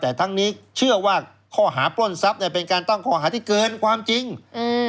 แต่ทั้งนี้เชื่อว่าข้อหาปล้นทรัพย์เนี้ยเป็นการตั้งข้อหาที่เกินความจริงอืม